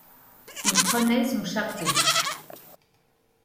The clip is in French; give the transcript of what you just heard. Il prenait son chapeau.